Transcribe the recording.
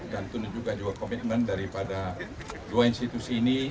dan itu juga komitmen daripada dua institusi ini